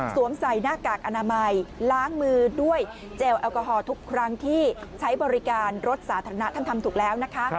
ใส่หน้ากากอนามัยล้างมือด้วยเจลแอลกอฮอลทุกครั้งที่ใช้บริการรถสาธารณะท่านทำถูกแล้วนะคะ